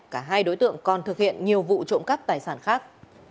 cả hai đối tượng còn thực hiện nhiều vụ trộm cắp tài sản khác